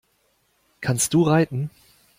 Kannst du reiten?